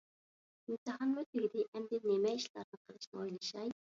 ئىمتىھانمۇ تۈگىدى، ئەمدى نېمە ئىشلارنى قىلىشنى ئويلىشاي.